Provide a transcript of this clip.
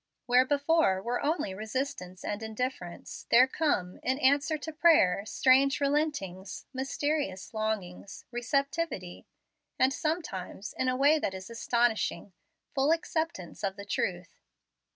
Where before were only resistance and indifference, there come, in answer to prayer, strange telentings, mysterious longings, receptivity, and sometimes, in a way that is astonishing, full acceptance of the truth.